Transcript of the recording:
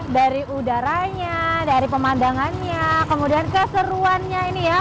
dari udaranya dari pemandangannya kemudian keseruannya ini ya